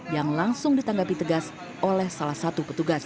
yang langsung ditanggapi tegas oleh salah satu petugas